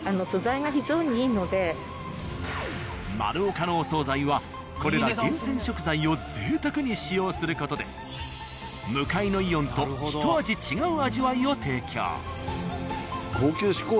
「まるおか」のお惣菜はこれら厳選食材を贅沢に使用する事で向かいの「イオン」とひと味違う味わいを提供。